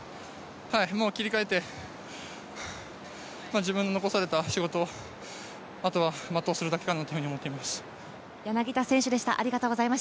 もう切り替えて、自分の残された仕事を、あとは全うするだけかなと思います。